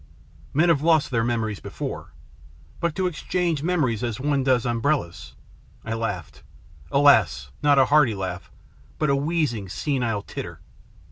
Men have lost their memories before. But to ex change memories as one does umbrellas ! I laughed. Alas ! not a healthy laugh, but a wheezing, senile titter.